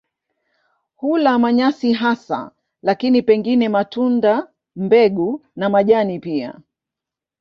Hula manyasi hasa lakini pengine matunda, mbegu na majani pia.